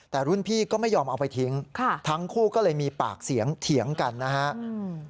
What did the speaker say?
แต่รุ่นพี่ก็ไม่ยอมเอาไปทิ้งค่ะทั้งคู่ก็เลยมีปากเสียงเถียงกันนะครับ